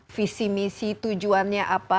visi misi tujuan dan kemampuan